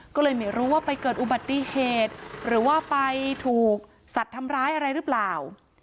ก็เลยไม่รู้ว่าไปเกิดอุบัติเหตุหรือว่าไปถูกสัตว์ทำร้ายอะไรหรือเปล่า